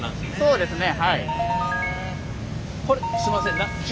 そうですね。